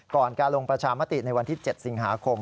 การลงประชามติในวันที่๗สิงหาคม